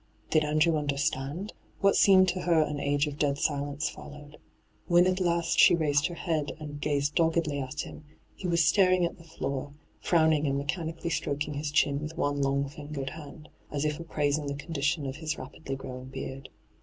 Did Andrew understand ? What seemed to her an age of dead silence followed. When at last she raised her head and gazed doggedly at him, he was staring at the floor, frowning and meohanically stroking his chin with one long fingered hand, as if appraising the con dition of his rapidly growing beard.